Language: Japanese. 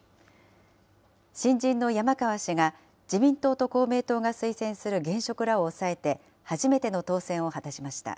新人の山川氏が、自民党と公明党が推薦する、現職らを抑えて初めての当選を果たしました。